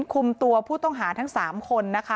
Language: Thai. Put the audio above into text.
คุมตัวผู้ต้องหาทั้ง๓คนนะคะ